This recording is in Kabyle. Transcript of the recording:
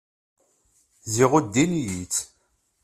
Ziɣ undin-iyi-tt.